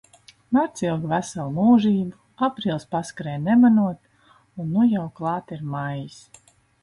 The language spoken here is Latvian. Marts ilga veselu mūžību, aprīlis paskrēja nemanot, un nu jau klāt ir maijs.